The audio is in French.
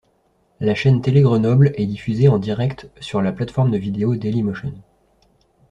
La chaîne TéléGrenoble est diffusée en directe sur la plateforme de vidéos Dailymotion.